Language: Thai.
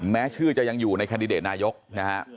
แม้ชื่อจะยังอยู่ในคันดิเดตนายกนะฮะ